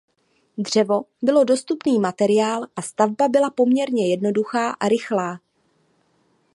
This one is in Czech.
Dřevo bylo dostupný materiál a stavba byla poměrně jednoduchá a rychlá.